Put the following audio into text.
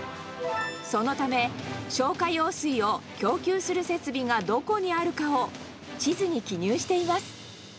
そのため、消火用水を供給する設備がどこにあるかを、地図に記入しています。